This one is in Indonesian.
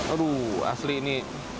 aduh asli ini